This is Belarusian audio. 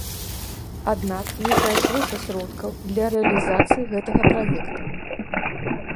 Аднак не знайшлося сродкаў для рэалізацыі гэтага праекта.